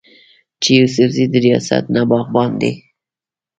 چې يوسفزي د رياست نه باغيان دي